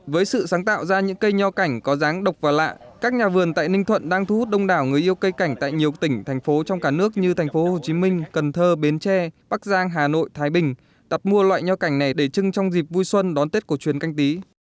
với sự sáng tạo ra những cây nho cảnh có ráng độc và lạ các nhà vườn tại ninh thuận đang thu hút đông đảo người yêu cây cảnh tại nhiều tỉnh thành phố trong cả nước như thành phố hồ chí minh cần thơ bến tre bắc giang hà nội thái bình tập mua loại nho cảnh này để trưng trong dịp vui xuân đón tết của chuyến canh tí